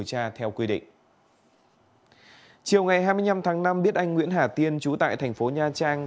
chiều ngày hai mươi năm tháng năm biết anh nguyễn hà tiên trú tại thành phố nha trang